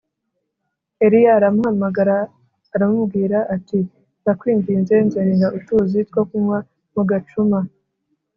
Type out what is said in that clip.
Eliya aramuhamagara aramubwira ati “Ndakwinginze, nzanira utuzi two kunywa mu gacuma”